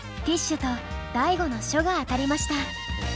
ティッシュと大悟の書が当たりました。